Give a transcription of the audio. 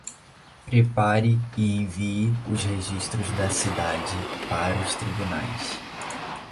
Prepare e envie os registros da cidade para os tribunais.